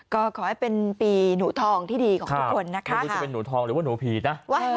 ก็ขอให้เป็นปีหนูทองที่ดีของทุกคนนะคะ